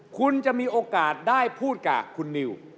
คุณจะมีโอกาสได้พูดกับคุณนิว